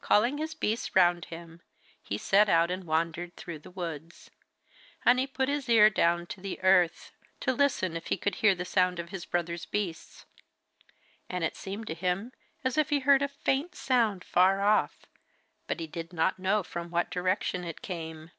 Calling his beasts round him, he set out and wandered through the woods. And he put his ear down to the earth, to listen if he could hear the sound of his brother's beasts. And it seemed to him as if he heard a faint sound far off, but he did not know from what direction it came.